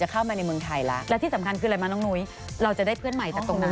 เข้ามาในเมืองไทยแล้วและที่สำคัญคืออะไรมาน้องนุ้ยเราจะได้เพื่อนใหม่จากตรงนั้น